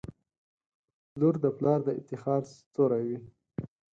• لور د پلار د افتخار ستوری وي.